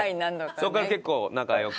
そこから結構仲良く？